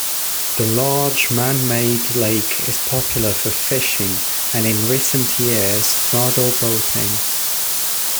The large man-made lake is popular for fishing and, in recent years, model boating.